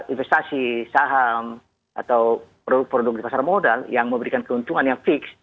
investasi saham atau produk produk di pasar modal yang memberikan keuntungan yang fix